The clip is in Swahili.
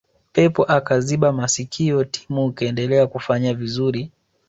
pep akaziba masikio timu ikaendelea kufanya vizuri